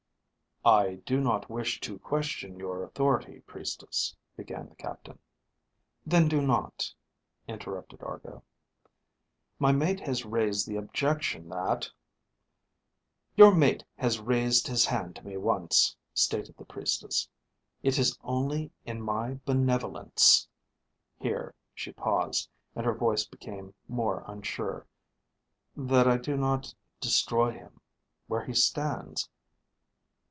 "_ "I do not wish to question your authority, Priestess," began the captain. "Then do not," interrupted Argo. "My mate has raised the objection that ..." _"Your mate has raised his hand to me once," stated the Priestess. "It is only in my benevolence ..." Here she paused, and her voice became more unsure, "... that I do not destroy him where he stands."